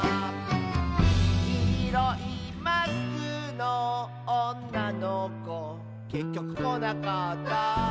「きいろいマスクのおんなのこ」「けっきょくこなかった」